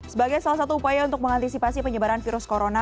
sebagai salah satu upaya untuk mengantisipasi penyebaran virus corona